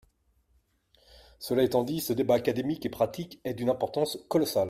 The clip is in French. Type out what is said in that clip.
Cela étant dit, ce débat, académique et pratique, est d’une importance colossale.